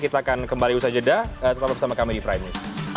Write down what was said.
kita akan kembali usaha jeda tetap bersama kami di prime news